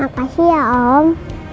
makasih ya om